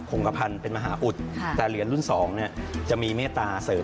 ขงกับพันธุ์เป็นมหาอุทธิ์แต่เหรียญรุ่น๒จะมีเมตตาเสริม